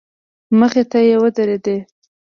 مخې ته يې ودرېد.